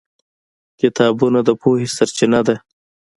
کتابونه د پوهې سرچینه ده.